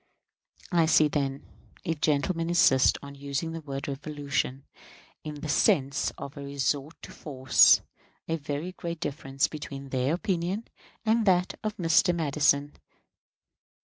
I see, then if gentlemen insist on using the word "revolution" in the sense of a resort to force a very great difference between their opinion and that of Mr. Madison.